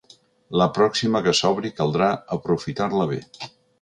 La pròxima que s’obri caldrà aprofitar-la bé.